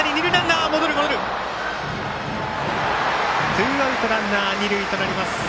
ツーアウトランナー、二塁となります。